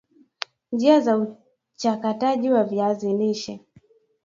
Njia za uchakataji wa viazi lishe